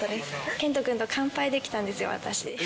賢人君と乾杯できたんですよ、私。